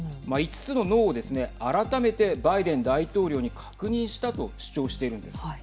５つのノーを改めてバイデン大統領に確認したと主張しているんです。